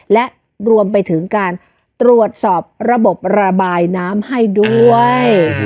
และรวมไปถึงการตรวจสอบระบบระบายน้ำให้ด้วย